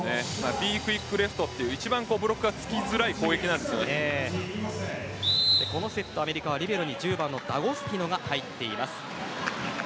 Ｂクイックレフトという一番ブロックがつきづらいこのセットリベロに１０番ダゴスティノが入っています。